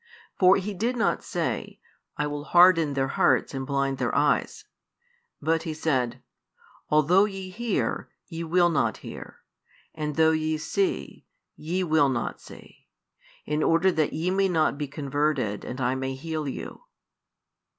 For He did not say: "I will harden their hearts and blind their eyes;" but He said: "Although ye hear, ye will not hear; and though ye see, ye will not see, in order that ye may not be converted and I may heal you."